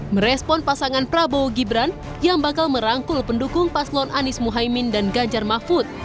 merespon pasangan prabowo gibran yang bakal merangkul pendukung paslon anies mohaimin dan ganjar mahfud